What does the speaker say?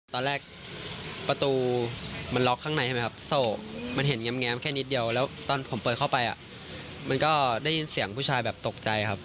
ตอนแรกประตูมันล็อกข้างในใช่ไหมครับโซ่มันเห็นแง้มแค่นิดเดียวแล้วตอนผมเปิดเข้าไปมันก็ได้ยินเสียงผู้ชายแบบตกใจครับ